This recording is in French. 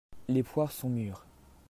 Les poires sont mûres.